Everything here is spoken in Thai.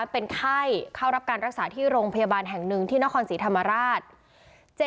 เป็นไข้เข้ารับการรักษาที่โรงพยาบาลแห่งหนึ่งที่นครศรีธรรมราช